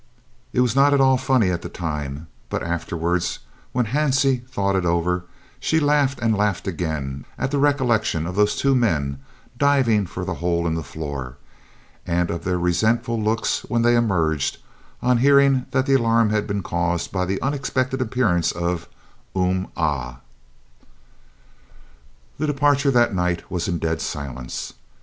It was not at all funny at the time, but afterwards, when Hansie thought it over, she laughed and laughed again at the recollection of those two men, diving for the hole in the floor, and of their resentful looks when they emerged, on hearing that the alarm had been caused by the unexpected appearance of "Um Ah." The departure that night was in dead silence.